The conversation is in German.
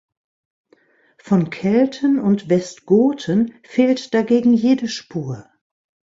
Von Kelten und Westgoten fehlt dagegen jede Spur.